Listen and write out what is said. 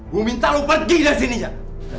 gue minta lo pergi dari sini jah